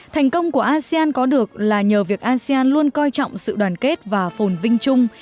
thành công của asean có được là nhờ việc asean luôn coi trọng sự đoàn kết và phồn vinh chung